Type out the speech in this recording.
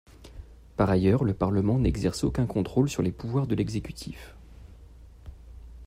Par ailleurs, le Parlement n'exerce aucun contrôle sur les pouvoirs de l'exécutif.